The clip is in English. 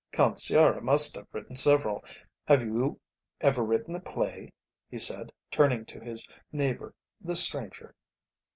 Count Sciarra must have written several; have you ever written a play?" he said, turning to his neighbour, the stranger.